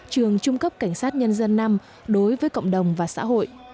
trường trung cấp cảnh sát nhân dân năm đối với cộng đồng và xã hội